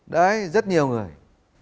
đấy rất nhiều người